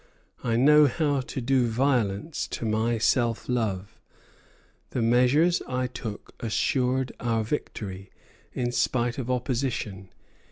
I know how to do violence to my self love. The measures I took assured our victory, in spite of opposition.